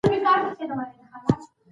هلک په ډېر مهارت سره د انا له غېږې وتښتېد.